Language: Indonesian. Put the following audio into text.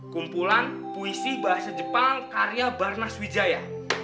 kumpulan puisi bahasa jepang karya barnas wijaya